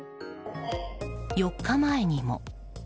４日前にも。